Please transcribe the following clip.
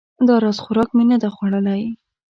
دا راز خوراک مې نه ده خوړلی